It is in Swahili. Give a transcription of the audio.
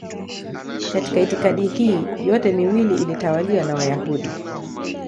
Katika itikadi hii yote miwili ilitawaliwa na Wayahudi.